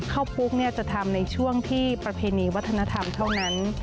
ปุ๊กจะทำในช่วงที่ประเพณีวัฒนธรรมเท่านั้น